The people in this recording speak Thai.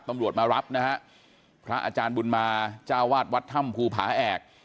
ตำรวจมารับนะฮะพระอาจารย์บุญมาเจ้าวาดวัดถ้ำภูผาแอก